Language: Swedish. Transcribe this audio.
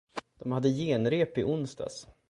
De hade genrep i onsdags.